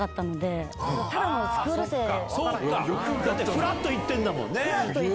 ふらっと行ってるんだもんね。